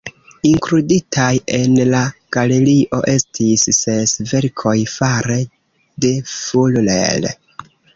Inkluditaj en la galerio estis ses verkoj fare de Fuller.